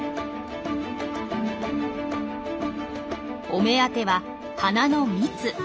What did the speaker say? お目当ては花の蜜。